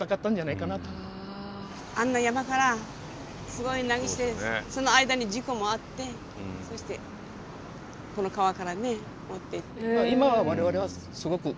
あんな山からすごい難儀してその間に事故もあってそしてこの川からね持っていって。